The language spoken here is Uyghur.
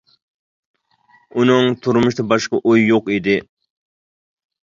ئۇنىڭ تۇرمۇشتا باشقا ئويى يوق ئىدى.